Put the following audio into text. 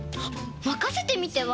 まかせてみては？